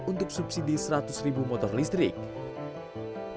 untuk subsidi seratus ribu motor listrik